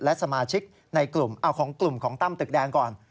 และสมาชิกในกลุ่มเอาของกลุ่มของตั้มตึกแดงก่อน